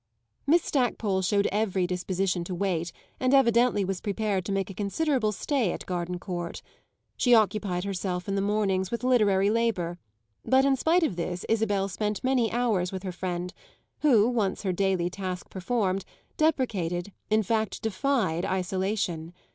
Miss Stackpole showed every disposition to wait and evidently was prepared to make a considerable stay at Gardencourt. She occupied herself in the mornings with literary labour; but in spite of this Isabel spent many hours with her friend, who, once her daily task performed, deprecated, in fact defied, isolation.